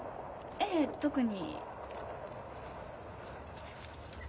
ええ特に。